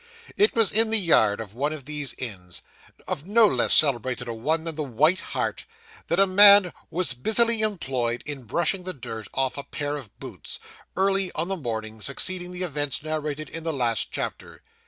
It was in the yard of one of these inns of no less celebrated a one than the White Hart that a man was busily employed in brushing the dirt off a pair of boots, early on the morning succeeding the events narrated in the last chapter.